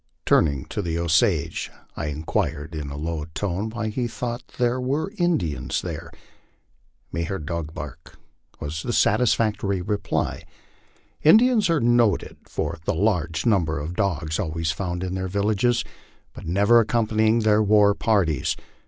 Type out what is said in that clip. Turning to the Osage, I inquired in a low tone why he thought there were Indians there. " Me heard dog bark," was the satisfactory reply. Indians are noted for the large number of dogs always found in their villages, but never accompanying their war parties.